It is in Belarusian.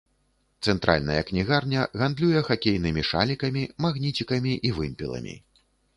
Цэнтральная кнігарня гандлюе хакейнымі шалікамі, магніцікамі і вымпеламі.